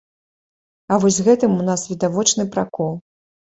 А вось з гэтым у нас відавочны пракол.